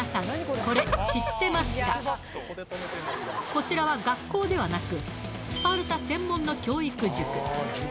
こちらは学校ではなくスパルタ専門の教育塾